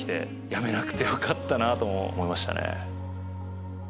やめなくてよかったなと思いましたね。